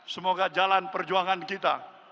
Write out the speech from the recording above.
semoga jalan perjuangan kita